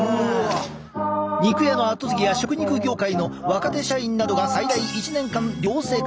肉屋の後継ぎや食肉業界の若手社員などが最大１年間寮生活。